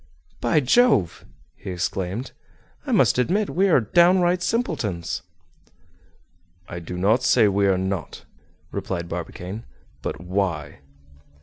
"By Jove!" he exclaimed, "I must admit we are down right simpletons!" "I do not say we are not," replied Barbicane; "but why?"